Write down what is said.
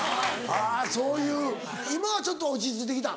あぁそういう今はちょっと落ち着いてきた？